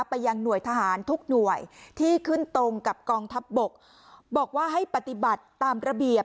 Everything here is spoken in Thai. ไปยังหน่วยทหารทุกหน่วยที่ขึ้นตรงกับกองทัพบกบอกว่าให้ปฏิบัติตามระเบียบ